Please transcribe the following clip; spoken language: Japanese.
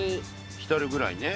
ひたるぐらいね。